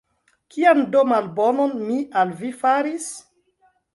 Kian do malbonon mi al vi faris?